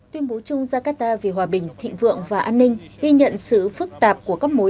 tuyên bố chung jakarta vì hòa bình thịnh vượng và an ninh ghi nhận sự phức tạp của các mối